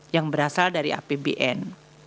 yang berasal dari apbn